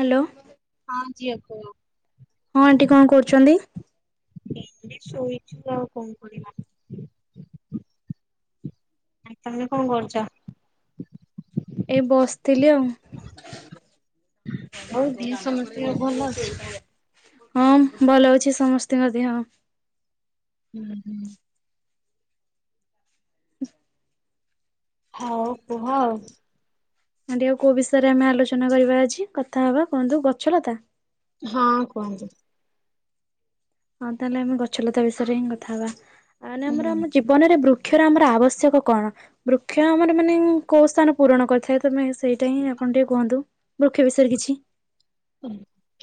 Hello. ହଁ ଝିଅ, କୁହ? ହଁ, ଆଣ୍ଟି କଣ କରୁଚନ୍ତି? ଏଇଠି ଶୋଇଛୁ, ଆଉ କଣ କରିବା? ଆଉ ତମେ କଣ କରୁଚ? ଏଇ ବସିଥିଲି ଆଉ। ହଁ ରେ ଆଉ ପୁଅ, ଦେହ ଦାଣ୍ଡକରେ ଏଇ ସମସ୍ତଙ୍କର ଭଲ ବସିବସି ଅଛି? ଏଇନା ହଁ, ଭଲ ଅଛି ସମସ୍ତିଙ୍କ ଦେହ। ହୁଁ ହୁଁଁ। ହଉ କୁହ ଆଉ। ଆଣ୍ଟି ଆଉ କୋଉ ବିଷୟରେ ଆମେ ଆଲୋଚନା କରିବା ଆଜି, କଥା ହବା କୁହନ୍ତୁ, ଗଛ ଲତା? ହଁ, କୁହନ୍ତୁ? ହଁ, ତାହେଲେ ଆମେ ଗଛଲତା ବିଷୟରେ ହିଁ କଥା ହବା। ଆ ମାନେ ଆମର ହୁଁ। ଆମ ଜୀ ଜୀବନରେ ବୃକ୍ଷର ଆମର ଆବଶ୍ୟକ କଣ? ବୃକ୍ଷ ଆମର ମାନେ, କୋଉ ସ୍ଥାନ ପୂରଣ କରିଥାଏ। ତମେ ସେଇଟା ହିଁ ଆପଣ ଟିକେ କୁହନ୍ତୁ? ବୃକ୍ଷ ବିଷୟରେ କିଛି। ହୁଁ।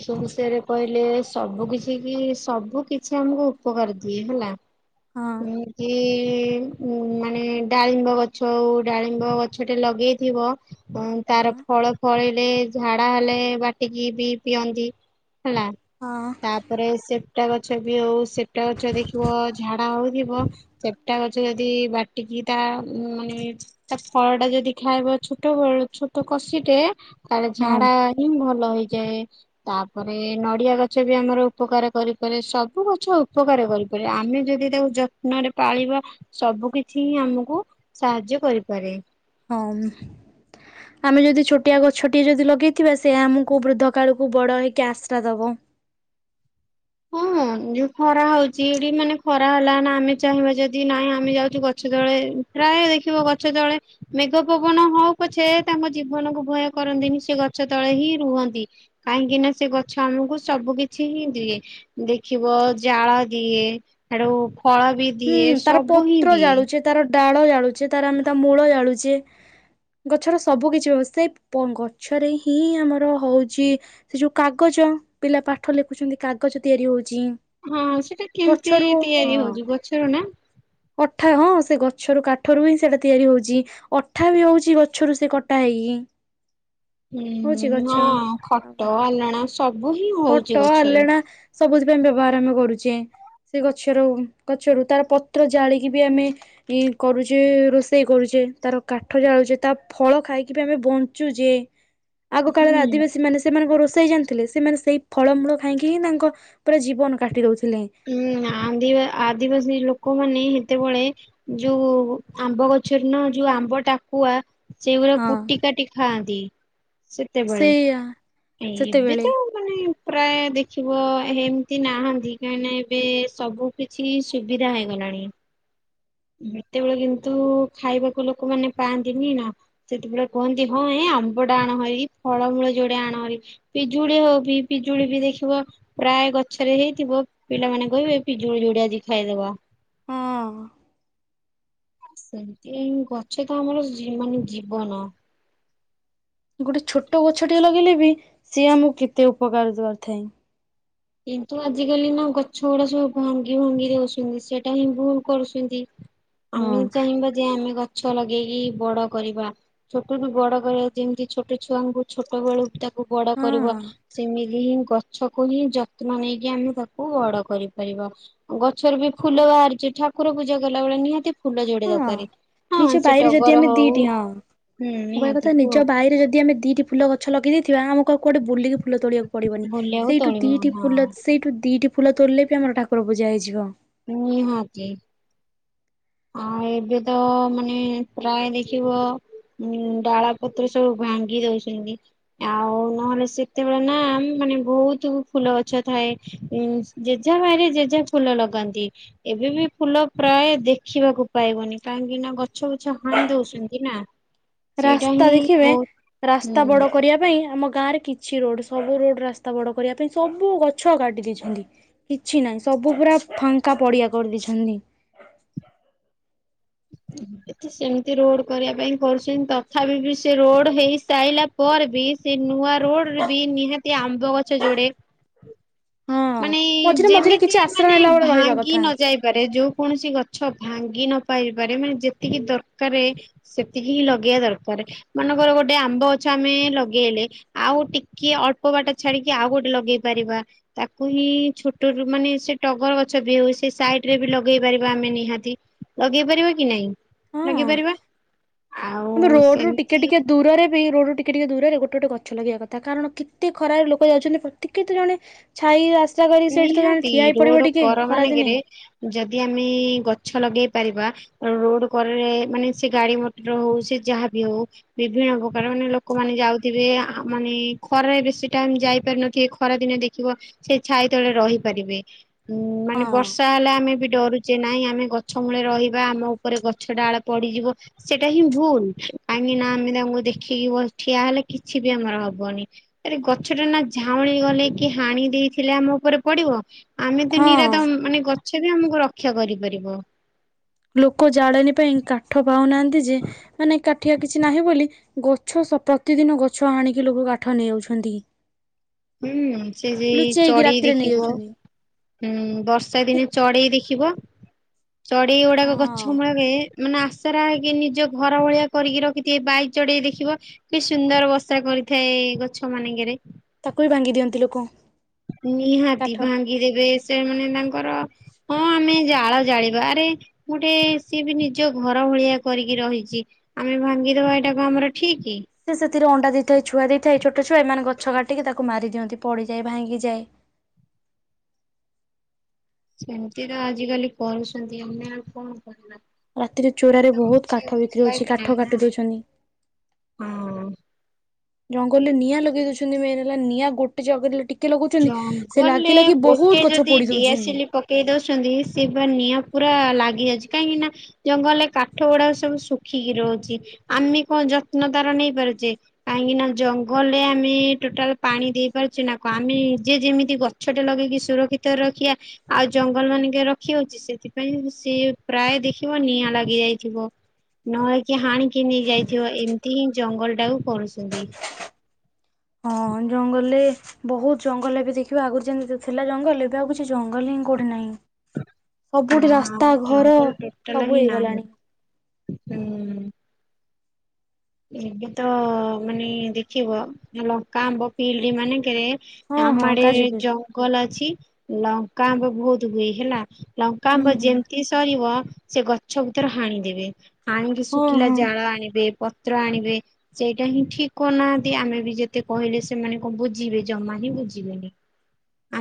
ସେ ବିଷୟରେ କହିଲେ ସବୁ କିଛି କି, ସବୁ କିଛି ଆମକୁ ଉପକାର ଦିଏ ହେଲା। ହଁ ନୁହେଁ କି ଉ, ମାନେ ଡାଳିମ୍ବ ଗଛ ହଉ, ଡାଳିମ୍ବ ଗଛଟେ ଲଗେଇଥିବ ଉଁ, ହଁ ତାର ଫଳ ଫଳିଲେ, ଝାଡା ହେଲେ ବାଟିକି ବି ପିଅନ୍ତି। ହେଲା। ହଁ। ତାପରେ ସେପ୍ଟା ଗଛ ବି ହଉ, ସେପ୍ଟା ଗଛ ଦେଖିବ ଝାଡା ହଉଥିବ, ସେପ୍ଟା ଗ ଯଦି, ବାଟିକି ତା ମାନେ ତା ଫଳ ଟା ଯଦି ଖାଇବ, ଛୋଟ ବେଳୁ, ଛୋଟ କଷି ଟେ, ତାର ହଁ ଝାଡା ହିଁ ଭଲ ହେଇଯାଏ। ତାପରେ ନଡ଼ିଆ ଗଛ ବି ଆମର ଉପକାର କରିପାରେ, ସବୁ ଗଛ ଉପକାର କରିପାରେ, ଆମେ ଯଦି ତାକୁ ଯତ୍ନରେ ପାଳିବା, ସବୁ କିଛି ହିଁ ଆମକୁ ସାହାଯ୍ୟ କରିପାରେ। ହଁ ମ୍। ଆମେ ଯଦି ଛୋଟିଆ ଗଛଟିଏ ଯଦି ଲଗେଇଥିବା, ସେ ଆମକୁ ବୃଦ୍ଧ କାଳକୁ ବଡ ହେଇକି ଆଶ୍ରା ଦବ। ହଁ, ଯୋଉ ଖରା ହଉଛି, ଏଠି ମାନେ ଖରା ହେଲା ନା, ଆମେ ଚାହିଁବା ଯଦି ନାହିଁ ଆମେ ଯାଉଛୁ ଗଛ ତଳେ ପ୍ରାୟ ଦେଖିବ ଗଛ ତଳେ ମେଘ ପବନ ହଉ ପଛେ, ତାଙ୍କ ଜୀବନକୁ ଭୟ କରନ୍ତିନି, ସେ ଗଛ ତଳେ ହିଁ ରୁହନ୍ତି। କାହିଁକି ନା, ସେ ଗଛ ଆମକୁ ସବୁ କିଛି ହିଁ ଦିଏ। ଦେଖିବ ଜାଳ ଦିଏ, ହେଡୁ ଫଳ ବି ହୁଁ, ଦିଏ ତାର ସବୁ ହିଁ ପତ୍ର ଦିଏ। ଜାଳୁଚେ, ତାର ଡାଳ ଜାଳୁଚେ, ତାର ଆମେ ତା ମୂଳ ଜାଳୁଚେ। ଗଛର ସବୁ କିିଛି ବ୍ୟବସ୍ଥା, ଏ ଗଛରେ ହିଁ ଆମର ହଉଚି ସେ ଯୋଉ କାଗଜ, ପିଲା ପାଠ ଲେଖୁଛନ୍ତି, କାଗଜ ତିଆରି ହଉଚି। ହଁ, ସେଇଟା କେମିତି ତିଆରି ହଉଚି, ଗଛରୁ ନା? ଅଠା ହଁ, ସେ ଗଛରୁ କାଠରୁ ହିଁ ସେଇଟା ତିଆରି ହଉଚି। ଅଠା ବି ହଉଛି, ଗଛରୁ ସେ କଟା ହେଇକି। ହୁଁ, ହଉଛି ଗଛ। ହଁ, ଆଉ ଖଟ ଆଲଣା ସବୁ ହିଁ ହଉଚି ଗଛରୁ। ସବୁଥିପାଇଁ ବ୍ୟବହାର ଆମେ କରୁଚେ। ସେ ଗଛରୁ, ଗଛରୁ ତାର ପତ୍ର ଜାଳିକି ବି ଆମେ ଇ, କରୁଚେ, ରୋଷେଇ କରୁଚେ, ତାର କାଠ ଜାଳୁଚେ, ତା ଫଳ ଖାଇକି ବି ଆମେ ବଞ୍ଚୁଚେ। ଆଗ କାଳର ହୁଁ। ଆଦିବାସୀ ମାନେ ସ ସେମାନେ କ ରୋଷେଇ ଜାଣିଥିଲେ, ସେମାନେ ସେଇ ଫଳମୂଳ ଖାଇକି ହିଁ ତାଙ୍କ ପୁରା ଜୀବନ କାଟି ଦଉଥିଲେ। ହୁଁ, ଆଦିଁବା ଆଦିବାସୀ ଲୋକମାନେ ହେତେବଳେ ଯୋଉ ଆମ୍ବ ଗଛରେ ନା ଯୋଉ ଆମ୍ବ ଟାକୁଆ ସେଗୁରା ହଁ କୁଟି କାଟି ଖାଆନ୍ତି, ସେତେବେଳେ ସେଇଆ ଏ ଏବେ ସେତେବେଳେ ତ ମାନେ ପ୍ରାୟେ ଦେଖିବ ଏ ହେମତି ନାହାନ୍ତି। ନାଇ ନାଇ ଏବେ ସବୁ କିଛି ସୁବିଧା ହେଇଗଲାଣି। ଉଁ, ହୁଁ, ସେତେବେଳେ କିନ୍ତୁ ଖାଇବାକୁ ଲୋକମାନେ ପାଆନ୍ତିନି ନା। ସେତେବେଳେ କୁହନ୍ତି ହଁ ଏ ଆମ୍ବ ଟା ଆଣ ହରିକି ଫଳମୂଳ ଯୋଡେ ଆଣହେରି। ପିଜୁଳି ହଉ ବି ପିଜୁଳି ବି ଦେଖିବ ପ୍ରାୟେ ଗଛରେ ହେଇଥିବ ପିଲାମାନେ କହିବେ ପିଜୁଳି ଯୁଡେ ଆଜି ଖାଇଦବା। ହଁ। ସେମତି ଏଇ ଗଛ ତ ଆମର ଜୀ ମାନେ ଜୀବନ। ଗୋଟେ ଛୋଟ ଗଛ ଟିଏ ଲଗେଇଲେ ବି ସିଏ ଆମକୁ କେତେ ଉପକାର କରିଥାଏ। କିନ୍ତୁ ଆଜିକାଲି ନ- ଗଛ ଗୁଡା ସବୁ ଭାଙ୍ଗି ଭୁଙ୍ଗି ଦଉଛନ୍ତି ସେଟା ହିଁ ଭୁଲ କରୁଛନ୍ତି। ଆମେ ହଁ ଚାହିଁବା ଯେ ଆମେ ଗଛ ଲଗେଇକି ବଡ କରିବା। ଛୋଟରୁ ବଡ କରିବା ଯେମତି ଛୋଟ ଛୁଆଙ୍କୁ ଛୋଟବେଳୁ ତା କୁ ବଡ କରିବ ହଁ ସେମିତି ହିଁ ଗଛକୁ ହିଁ ଯ ତ୍ନ ନେଇକି ଆମେ ତାକୁ ବଡ କରିପାରିବା। ଗଛରୁ ବି ଫୁଲ ବାହାରିଛି ଠାକୁର ପୂଜା କଲା ବେଳେ ନିହାତି ଫୁଲ ଯୋଡେ ହଁ ଦରକାରେ ନିଜ ହଁ ସେ ବାଇରେ ଯଦି ଟଗର ଆମେ ହଉ ଦିଟି ହଁ ହୁଁ ମୁଁ କହିବା ନିହାତି କଥା କୁହ ନିଜ ବାଇରେ ଯଦି ଆମେ ଦିଟି ଫୁଲ ଗ ଛ ଲଗେଇ ଦେଇଥିବା ଆମକୁ ଆଉ କୁୁଆଡେ ବୁଲିକି ଫୁଲ ତୋଳିବାକୁ ପଡିବନି। ବୁଲିବାକୁ ସେଇଠୁ ତୋଳିବି ଦିଟି ହଁ। ଫୁଲ ସେଇଠୁ ଦିଟି ଫୁଲ ତୋଳିଲେ ବି ଆମର ଠାକୁର ପୂଜା ହେଇଯିବ। ନିହାତି। ଆଉ ଏବେ ତ ମାନେ ପ୍ରାୟ ଦେଖିବ ଉଁ, ଡାଳ ପତ୍ର ସବୁ ଭାଙ୍ଗି ଦଉଛନ୍ତି। ଆଉ ନହେଲେ ସେତେବେଳେ ନା ଆମ୍ ମାନେ ବହୁତୁ ଫୁଲ ଗଛ ଥାଏ। ଉଁ, ଯେଝା ବାଇରେ ଯେଝା ଫୁଲ ଲଗାନ୍ତି ଏବେ ବି ଫୁଲ ପ୍ରାୟ ଦେ ଖିବାକୁ ପାଇବନି କାହିଁକି ନା ଗଛ ଫଛ ହାଣି ଦଉଛନ୍ତି ନା। ସେଇଟା ରାସ୍ତା ହିଁ ଦେଖିବେ ବହୁତ ରାସ୍ତା ହୁଁ। ବଡ କରିବା ପାଇଁ ଆମ ଗାଁ ରେ କି ଛି ରୋଡ୍ ସବୁ ରୋଡ୍ ରାସ୍ତା ବଡ କରିବା ପାଇଁ ସବୁ ଗଛ କାଟି ଦେଇେଛନ୍ତି। କିଛି ନାହିଁ ସବୁ ପୁରା ଫାଙ୍କା ପଡିଆ କରିଦେଇଛନ୍ତି। [inaudible] ଏଠି ସେମତି ରୋଡ୍ କରିବା ପାଇଁ କରୁଛନ୍ତି, ତଥାପି ବି ସେ ରୋଡ୍ ହେଇସାଇଲା ପରେ ବି ସେ ନୂଆ ରୋଡ୍ ରେ ବି ନିହାତି ଆମ୍ବ ଗଛ ଯୋଡେ ହଁ ମାନେ ମଝିରେ ମଝିରେ ଯେମିତି କିଛି ଆଶ୍ରୟ ମାନେ ନେଲା ବେଳେ ରହିବା ଭାଙ୍ଗି କଥା ନ ଯାଏ କରେ ଯୋଉ କୌଣସି ଗଛ ଭାଙ୍ଗି ନପାରି ବାରେ ମାନେ ଯେତିକି ଦରକାରେ ସେତିକି ହିଁ ଲଗେଇଆ ଦରକାରେ, ମନେଙ୍କର ଗୋଟେ ଆମ୍ବ ଗଛ ଆମେ ଲଗେଇଲେ ଆଉ ଟିକେ ଅଳ୍ପ ବାଟ ଛାଡିକି ଆଉ ଗୋଟେ ଲଗେଇ ପାରିବା। ତାକୁ ହିଁ ଛୋଟରୁ ମାନେ ସେ ଟଗର ଗଛ ବି ହଉ ସେ ସାଇଡ ରେ ବି ଲଗେଇ ପାରିବା ଆମେ ନିହାତି। ଲଗେଇ ପାରିବା କି ନାଇଁ? ହଁ ଲଗେଇ ପାରିବା ଆଉ ଆମେ ରୋଡ୍ ରୁ ଟିକେ ସେମିତି ଟିକେ ଦୂରରେ ବି ରୋଡ୍ ରୁ ଟି ଟିକେ ଟିକେ ଦୂରରେ ଗୋଟେ ଗୋଟେ ଗଛ ଲଗେଇବା କଥା। କାରଣ କେତେ ଖରାରେ ଲୋକ ଯାଉଛନ୍ତି ପ୍ରତି କିଏ ତ ଜଣେ ଛାଇ ଆଶ୍ରା କରି ସେଇଠି ତ ଜଣେ ନିହାତି ଠିଆ ହେଇ ପଡିବ ରୋଡ ଟିକେ କର ମାନଙ୍କରେ ଖରାଦିନେ। ଯଦି ଆମେ ଗଛ ଲଗେଇ ପାରିବା ରୋଡ କରେରେ ମାନେ ସେ ଗାଡି ମଟର ହଉ ସେ ଯାହାବି ହଉ। ବିଭିନ୍ନ ପ୍ରକାର ମାନେ ଲୋକମାନେ ଯାଉଥିବେ ଆ ମାନେ ଖରାରେ ବେଶୀ ଟାଇମ ଯାଇପାରି ନଥିବେ ଖରା ଦିନେ ଦେଖ ସେ ଛାଇ ତଳେ ରହିପାରିବେ ଉ ମାନେ ବର୍ଷା ହେଲେ ଆମେ ବି ଡରୁ ଯେ ନାଇଁ ଆମେ ଗଛ ମୂଳେ ରହିବା ଆମ ଉପରେ ଗଛ ଡାଳ ପଡିଯିବ। ସେଇଟା ହିଁ ଭୁଲ କାହିଁକି ନା ଆମେ ତାଙ୍କୁ ଦେଖିକି ବ ଠିଆ ହେଲେ କିଛି ବି ଆମର ହବନି। ଆରେ ଗଛ ଟା ନା ଝାଉଁଳି ଗଲେ କି ହାଣି ଦେଇଥି ଥିଲେ ଆମ ଉପରେ ପଡିବ ଆମେ ତ ନିରା ହଁ ତ ମାନେ ଗଛ ବି ଆମକୁ ରକ୍ଷା କରିପାରିବ। ଲୋକ ଜାଳେଣୀ ପାଇଁ କାଠ ପାଉନାହାନ୍ତି ଯେ ମାନେ କାଠିଆ କିଛି ନାହିଁ ବୋଲି ଗଛ ସ ପ୍ରତିଦିନ ଗଛ ଆଣିକି ଲୋକ କାଠ ନେଇ ଯାଉଛନ୍ତି। ହୁଁ ସେ ସେଇ ଲୁଚେଇକି ଚଢେଇ ରାତିରେ ନେଇ ଦେଖିବ ଯାଉଛନ୍ତି। ହୁଁ ବର୍ଷା ଦିନେ ଚଢେଇ ଦେଖିବ ଚଢେଇ ଗୁଡାକ ଗଛ ହଁ। ମୂଳରେ ମାନେ ଆଶାରା ହେଇକି ନିଜ ଘର ଭଳିଆ କରିକି ରଖିଥିବେ ବାଇଚଢ଼େଇ ଦେଖିଥିବ। କି ସୁନ୍ଦର ବସା କରିଥାଏ ଗଛ ମାନଙ୍କରେ। ତାକୁ ବି ଭାଙ୍ଗି ଦିଅନ୍ତି ଲୋକ। ନିହାତି କାଠ। ଭାଙ୍ଗିଦେବେ ସେମାନେ ତାଙ୍କର ହଁ ଆମେ ଜାଳ ଜାଳିବାରେ ଗୋଟେ ସିଏ ବି ନିଜ ଘର ଭଳିଆ କରିକି ରହିଛି। ଆମେ ଭାଙ୍ଗିଦବା ଏଇଟାକୁ ଆମର ଠିକ କି? ସେ ସେଥିରେ ଅଣ୍ଡା ଦେଇଥାଏ ଛୁଆ ଦେଇଥାଏ ଛୋଟ ଛୁଆ ଏମାନେ ଗଛ କାଟିକ ତାକୁ ମାରି ଦିଅନ୍ତି ପଡିଯାଏ ଭାଙ୍ଗିଯାଏ। ସେମିତି ତ ଆଜିକାଲି କରୁଛନ୍ତି ଆମେ ଆଉ କଣ କରିବା। ରାତିରେ ଚୋରାରେ ତ ବହୁତ କିଛି କାଠ ବିକ୍ରି ଉପାୟ ହଉଛି ବି କାଠ ନାହିଁ ନା କାଟି ଦେଉଛନ୍ତି। ହଁ। ଜଙ୍ଗଲରେ ନିଆଁ ଲଗେଇ ଦଉଛନ୍ତି ମେନ୍ ହେଲା ନିଆଁ ଗୋଟେ ଜାଗରେ ଟିକେ କେ ଲଗୋଉଛନ୍ତି ସେ ଜଙ୍ଗଲରେ ଲାଗି ଲାଗି ବହୁତ ଗଛ ପୋଡି ଦଉଛି। କେହି ଦଉଛନ୍ତି ସେ ପା ନିଆଁ ପୁରା ଲାଗି ଯାଉଛି କାହିଁକି ନା ଜଙ୍ଗଲରେ କାଠ ଗୁଡା ସବୁ ଶୁଖିକି ରହୁଛି ଆମେ କଣ ଯତ୍ନ ତାର ନେଇ ପାରୁଛେ। କାହିଁକି ନା ଜଙ୍ଗଲରେ ଆମେ ଟୋଟାଲ ପାଣି ଦେଇ ପାରୁଛେ ନା କ ଆମେ ଯେ ଯେମିତି ଗଛଟେ ଲଗେଇକି ସୁରକ୍ଷିତ ରଖିବା ଆଉ ଜଙ୍ଗଲମାନଙ୍କେ ରଖି ହଉଛି ସେଥିପାଇଁ ସି ପ୍ରାୟ ଦେଖିବ ନିଆଁ ଲାଗି ଯାଇଥିବ। ନହେଲେକି ହାଣିକି ନେଇ ଯାଇଥିବ ଏମିତି ହିଁ ଜଙ୍ଗଲଟାକୁ କରୁଛନ୍ତି। ହଁ ଜଙ୍ଗଲରେ ବହୁତ ଜଙ୍ଗଲ ଏବେ ଦେଖିବା ଆଗରୁ ଯେମତି ଥିଲା ଜଙ୍ଗଲ ଏବେ ଆଉ କିଛି ଜଙ୍ଗଲ ହିଁ କୋଉଠେ ନାହିଁ। ନା ସବୁଠି ରାସ୍ତା ଘର ଜଙ୍ଗଲ ଟୋଟାଲ ସବୁ ହିଁ ନାହିଁ ହେଇଗଲାଣି। ହୁଁ। ଏବେ ତ ମାନେ ଦେଖିବ ଲଙ୍କା ଆମ୍ବ ଫିଲ୍ଡମାନେଙ୍କେରେ ହଁ ଆମ ହଁ ଆଡେ କାଜୁବି ଜଙ୍ଗଲ ଅଛି ଲଙ୍କା ଆମ୍ୱ ବହୁତ ହୁଏ ହେଲା। ଲଙ୍କା ଆମ୍ବ ହୁଁ ଯେମିତି ସରିବ ସେ ଗଛ ବୁତର ହାଣିଦେବେ। ହାଣିିକି ହଁ ଶୁଖିଲା ହଁ ଜାଳ ଆଣିବେ ପତ୍ର ଆଣିବେ। ସେଇଟା ହିଁ ଠିକ କହୁନାହାନ୍ତି ଆମେ ବି ଯେତେ କହିଲେ ସେମାନେ କଣ ବୁଝିବେ ଜମା ହିଁ ବୁଝିବେନି।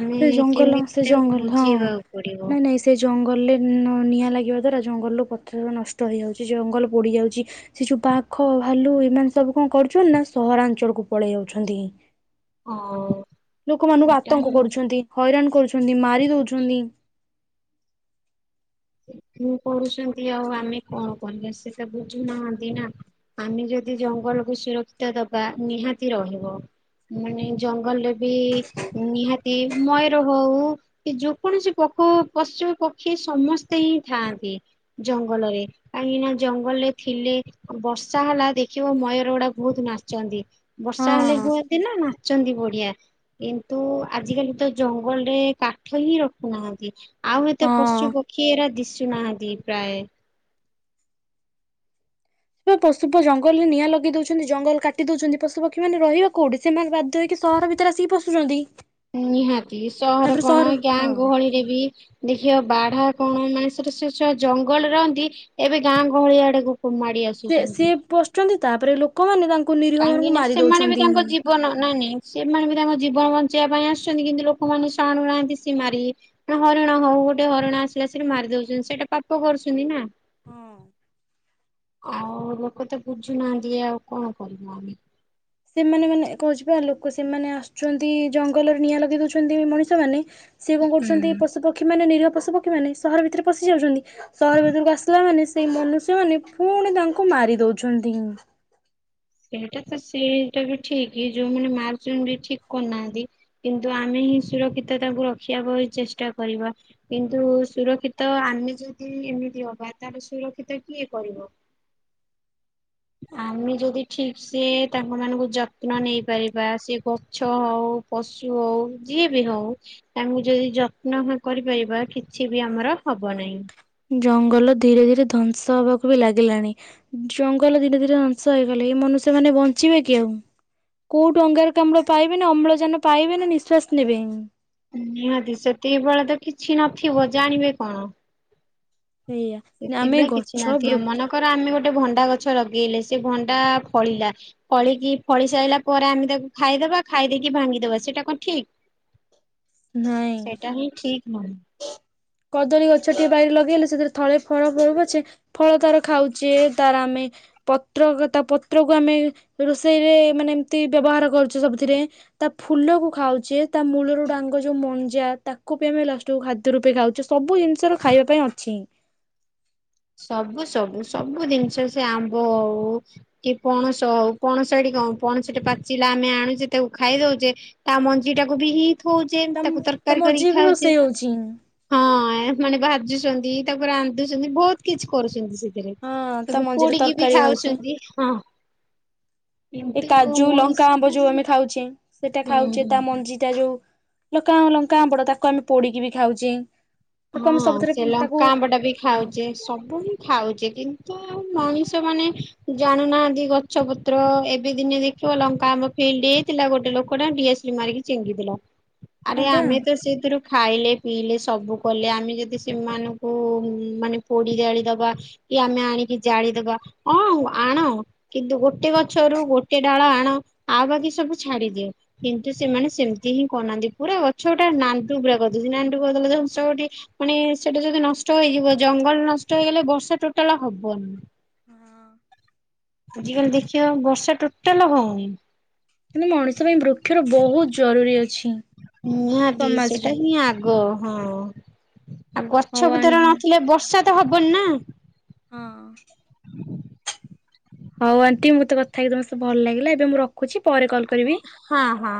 ଆମେ ସେ ଜଙ୍ଗଲ କେମିତି ସେ ତାଙ୍କୁ ଜଙ୍ଗଲ ହଁ ବୁଝେଇବାକୁ ପଡିବ ନାଇଁ ନାଇଁ ସେ ଜଙ୍ଗଲରେ ନ ନିଆଁ ଲାଗିବା ଦ୍ୱାରା ଜଙ୍ଗଲରୁ ପଥ ନଷ୍ଟ ହୋଇଇଯାଉଛି ଜଙ୍ଗଲ ପୋଡ଼ିଯାଉଛି ସେ ଯୋଉ ବାଘ ଭାଲୁ ଏମାନେ ସବୁ କଣ କରୁଛନ୍ତି ନା ସହରାଞ୍ଚଳ କୁ ପଳେଇ ଆଉଛନ୍ତି। ହଁ। ଲୋକମାନଙ୍କୁ ସେଟା ଆତଙ୍କ ହିଁ କରୁଛନ୍ତି ହଇରାଣ କରୁଛନ୍ତି ମାରି ଦଉଛନ୍ତି। ହୁଁ କରୁଚନ୍ତି ଆଉ ଆମେ କଣ କରିବା ସେ ତ ବୁଝୁନାହାନ୍ତି ନା। ଆମେ ଯଦି ଜଙ୍ଗଲକୁ ସୁରକ୍ଷିତ ଦବା ନିହାତି ରହିବ। ମାନେ ଜଙ୍ଗଲରେ ବି ନିହାତି ମୟୂର ହଉ କି ଯେକୌଣସି ପଖୁ ପଶୁ ପକ୍ଷୀ ସମସ୍ତେ ହିଁ ଥାଆନ୍ତି ଜଙ୍ଗଲରେ। କାହିଁକି ନା ଜଙ୍ଗଲରେ ଥିଲେ ବର୍ଷା ହେଲା ଦେଖିବ ମୟୂର ଗୁଡା ବହୁତ ନାଚନ୍ତି। ବର୍ଷା ହେଲେ ହଁ। ହୁଅନ୍ତିନା ନା। ଚନ୍ତି ବଢିଆ କିନ୍ତୁ ଆଜିକାଲି ତ ଜଙ୍ଗଲେ କାଠ ହିଁ ରଖୁନାହାନ୍ତି। ଆଉ ଏତେ ହଁ। ପଶୁ ପକ୍ଷୀ ଏରା ଦିଶୁ ନାହାନ୍ତି ପ୍ରାୟ। ତ ପଶୁ ପ ଜଙ୍ଗଲରେ ନିଆଁ ଲଗେଇ ଦଉଛନ୍ତି ଜଙ୍ଗଲ କାଟି ଦଉଛନ୍ତି ପଶୁପକ୍ଷୀ ମାନ ରହିବା କୋଉଠି। ସେମାନେ ବାଧ୍ୟ ହୋଇକି ସହର ଭିତରେ ଆସିକି ପଶୁଛନ୍ତି। ନିହାତି ସହର ତାପରେ କଣ ଗାଁ ହଁ। ଗହଳିରେ ବି ଦେଖିବା ବାଢା କଣ ମାନେ ସେଟ ସେ ସ ଜଙ୍ଗଲ ରହନ୍ତି। ଏବେ ଗାଁ ଗହଳି ଆଡେକୁ ପ ମାଡି ଆସୁ ସେ ସିଏ ପଶୁଛନ୍ତି ତାପରେ ଲୋକମାନେ ତାଙ୍କୁ ନିରୀହ କାହିଁକି ମାନଙ୍କୁ ନା ମାରି ସେମାନେ ବି ଦୋଉଛନ୍ତି। ତାଙ୍କ ଜୀବନ ନାଇଁ ନାଇଁ ସେମାନେ ବି ତାଙ୍କ ଜୀବନ ବଞ୍ଚେଇବା ପାଇଁ ଆସୁଛନ୍ତି କିନ୍ତୁ ଲୋକମାନେ ଶାଣୁନାହାନ୍ତି ସି ମାରିକି ନା ହରିଣ ହଉ ଗୋଟେ ହରିଣ ଆସିଲା ସେ ମାରି ଦଉଛନ୍ତି ସେଇଟା ପାପ କରୁଛନ୍ତି ନା। ହଁ। ଆଉ ଲୋକ ତ ବୁଝୁନାହାନ୍ତି ଇଆଉ କଣ କରିବ ଆମେ। ସେମାନେ ମାନେ ଏ କ ଛିବା ଲୋକ ସେମାନେ ଆସୁଛନ୍ତି ଜଙ୍ଗଲରେ ନିଆଁ ଲଗେଇ ଦଉଛନ୍ତି ମଣିଷମାନେ ସିଏ କଣ ହୁଁ କରୁଛନ୍ତି ପଶୁ ପକ୍ଷୀମାନେ ନିରୀହ ପଶୁ ପକ୍ଷୀ ମାନେ ସହର ଭିତରେ ପଶି ଯାଉଛନ୍ତି ସହର ଭିତରକୁ ଆସିଲା ମାନେ ସେ ସେଇ ମନୁଷ୍ୟମାନେ ଫୁଣି ତାଙ୍କୁ ମାରି ଦଉଛନ୍ତି। ଏଇଟା ତ ସେଇଟା ବି ଠିକ ଯୋଉମାନେ ମାର୍ଚନ୍ତି ଠିକ କରୁନାହାନ୍ତି। କିନ୍ତୁ ଆମେ ହିଁ ସୁରକ୍ଷିତ ତାକୁ ରଖିବା ପଇଁ ଚେଷ୍ଟା କରିବା। କିନ୍ତୁ ସୁରକ୍ଷିତ ଆମେ ଯଦି ଏମିତି ହବା ତାହଲେ ସୁରକ୍ଷିତ କିଏ କରିବ। ଆମେ ଯଦି ଠିକ ସେ ତାଙ୍କ ମାନଙ୍କୁ ଯତ୍ନ ନେଇ ପାରିବା ସେ ଗଛ ହଉ ପଶୁ ହଉ କି ବି ନ ହଉ ତାମକୁ ଯଦି ଯତ୍ନ ହ କରିପାରିବା କିଛି ବି ଆମର ହବ ନାହିଁ। ଜଙ୍ଗଲ ଧୀରେ ଧୀରେ ଧ୍ୱଂସ ହବାକୁ ବି ଲାଗିଲାଣି। ଜଙ୍ଗଲ ଧୀରେ ଧୀରେ ଧଂସ ହେଇଗଲେ ଏଇ ମନୁଷ୍ୟ ମାନେ ବଞ୍ଚିବେ କି ଆଉ। କୋଉଠୁ ଅଙ୍ଗାରକାମ୍ଡ ପାଇବେ ନା ଅମ୍ଳଜାନ ପାଇବେ ନା ନିଶ୍ଵାସ ନେବେ। ନିହାତି ସେତିକି ବେଳେ ତ କିଛି ନଥିବ ଜାଣିବେ କଣ? ଏଇଆ ନା ଆମେ ଗଛ ବୃ କ୍ଷ ର ଆମେ ଗୋଟେ ଭଣ୍ଡା ଗଛ ଲଗେଇଲେ ସେ ଭଣ୍ଡା ଫଳିଲା। ପଳିକି ଫଳି ସାଇଲା ପରେ ଆମେ ତାକୁ ଖାଇଦବା ଖାଇଦେଇକି ଭାଙ୍ଗିଦବା ସେଇଟା କଣ ଠିକ। [inaudible] ସେଇଟା ହିଁ ଠିକ ନୁହଁ। କଦଳୀ ଗଛ ଟିଏ ବାଇରେ ଲଗେଇଲେ ସେଥିରେ ଥଳେ ଫଳ ହଉ ପଛେ ଫଳ ତାର ଖାଉଛେ ତାର ଆମେ ପତ୍ର ଗ ତା ପତ୍ରକୁ ଆମେ ରୋଷେଇରେ ମାନେ ଏମତି ବ୍ୟବହାର କରୁଛେ ସବୁଥିରେ। ତା ଫୁଲକୁ ଖାଉଛେ ତା ମୂଳ ର ଡାଙ୍ଗ ଯୋଉ ମଞ୍ଜା ତାକୁ ବି ଆମେ ଲଷ୍ଟ ଟୁ ଖାଦ୍ୟ ରୂପେ ଖାଉଚେ ସବୁ ଜିନିଷ ର ଖାଇବା ପାଇଁ ଅଛି। ସବୁ ସବୁ ସବୁ ଜିନିଷ ସେ ଆମ୍ବ ଅଉ କି ପଣସଉ ପଣସ ଏଠି କ ପଣସଟେ ପାଚିଲା ଆମେ ଆଣୁଚେ ତାକୁ ଖାଇଦଉଚେ ତା ମଞ୍ଜି ଟାକୁ ବି ହି ଥଉଚେ ତା ତାକୁ ତା ତରକାରୀ କରିକି ମଝିରେ ବି ଖାଉଚେ। ରୋଷେଇ ହଉଛି ହଁ ଆଇଁ ମାନେ ଭାଜୁଚନ୍ତି ତାକୁ ଫେ ରାନ୍ଧୁଚନ୍ତି ବହୁତ କିଛି କରୁଛନ୍ତି ସେ ହଁ ତା ତାକୁ ମଞ୍ଜିରେ ପୋଡିକି ବି ତରକାରୀ ହଉଛି ଖାଉଛନ୍ତି, ହଁ। ଏ କିନ୍ତୁ କାଜୁ, ଲଙ୍କା, ମଣିଷ ଆମ୍ବ ଯୋଉ ମାନେ ଆମେ ଖାଉଛେ ସେଇଟା ହୁଁ ଖାଉଛେ ହୁଁ ତା ମଞ୍ଜି ତା ଯୋଉ ଲଙ୍କା ଲଙ୍କା ଆମ୍ବ ଟା ତାକୁ ଆମେ ପୋଡିକି ବି ଖାଉଛେ। ତାକୁ ଆମେ ହଁ ସବୁଥିରେ ସେ ଲଙ୍କା ତାକୁ ଆମ୍ବ ଟା ବି ଖାଉ ଚେ, ସବୁ ହି ଖାଉଛେ କିନ୍ତୁ ମଣିଷ ମାନେ ଜାଣୁନାହାନ୍ତି ଗ ଛ ପୁତ୍ର ଏବେ ଦିନେ ଦେଖିବ ଲଙ୍କା ଆମ ଫିଲ୍ଡ ହେଇ ଥିଲା ଗୋଟେ ଲୋକ ଟା ଡିଆସିଲ୍ ମାରିକି ଚିଙ୍ଗିଦେଲା। ଁ ଆରେ ଆମେ ତ ସେଥିରୁ ଖାଇଲେ, ପିଇଲେ ସବୁ କଲେ ଆମେ ଯଦି ସେମାନଙ୍କୁ ମାନେ ପୋଡି ଜାଳି ଦବା କି ଆମେ ଆଣିକି ଜାଳିଦବା, ହଁଉ ଆଣ କିନ୍ତୁ ଗୋଟେ ଗଛରୁ ଗୋଟେ ଡାଳ ଆଣ, ଆଉ ବାକି ସବୁ ଛାଡିଦିଏ। କିନ୍ତୁ ସେମାନେ ସେମିତି ହିଁ କରନାହାନ୍ତି, ପୁରା ଗଛ ଗୋଟେ ନାଣ୍ଡୁ ପୁରା କରିଦଉଛି ନାଣ୍ଡୁ କରିଦେଲେ ତ୍ ଠି ମାନେ ସେଇଟା ଯଦି ନଷ୍ଟ ହେଇଯିବ ଜଙ୍ଗଲ ନଷ୍ଟ ହେଇଗଲେ ବର୍ଷା ଟୋଟାଲ ହବନି। ହଁ। ଆଜ କାଲି ଦେଖିବା ବର୍ଷା ଟୋଟାଲ ହଉନି। କିନ୍ତୁ ମଣିଷ ପାଇଁ ବୃକ୍ଷର ବହୁତ ଜରୁରୀ ଅଛି। ନିହାତି ସମାଜରେ ସେଇଟା ହିଁ ଆଗ, ହଁ। ଆଉ ହଉ ଗଛ ଆ ପତର ନଥିଲେ ବର୍ଷା ତ ହବନି ନା। ହଁ। ହଉ ଆଣ୍ଟି ମୋତେ କଥା ହେଇକି ତମ ସହ ଭଲ ଲାଗିଲା, ଏବେ ମୁଁ ରଖୁଛି ପରେ କଲ୍ କରିବି। ହଁ ହଁ।